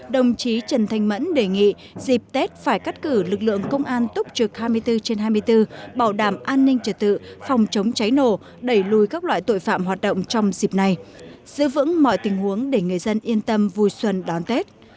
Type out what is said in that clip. đồng chí trần thanh mẫn đề nghị dịp tết phải cắt cử lực lượng công an túc trực hai mươi bốn trên hai mươi bốn bảo đảm an ninh trật tự phòng chống cháy nổ đẩy lùi các loại tội phạm hoạt động trong dịp này giữ vững mọi tình huống để người dân yên tâm vui xuân đón tết